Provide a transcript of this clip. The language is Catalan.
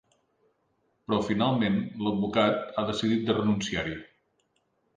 Però finalment l’advocat ha decidit de renunciar-hi.